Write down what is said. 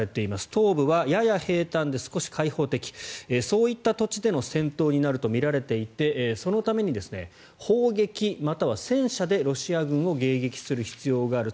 東部はやや平坦で少し開放的そういった土地での戦闘になるとみられていてそのために砲撃または戦車でロシア軍を迎撃する必要がある。